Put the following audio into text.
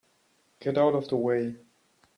Get out of the way!